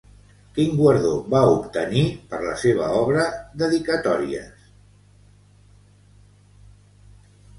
Quin guardó va obtenir per la seva obra Dedicatòries.